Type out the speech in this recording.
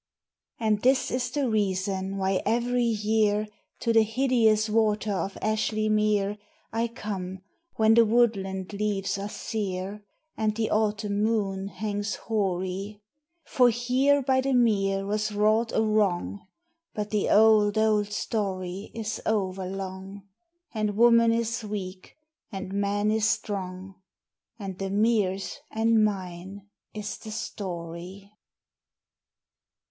And this is the reason why every year To the hideous water of Ashly Mere I come when the woodland leaves are sear, And the autumn moon hangs hoary: For here by the mere was wrought a wrong ... But the old, old story is over long And woman is weak and man is strong ... And the mere's and mine is the story.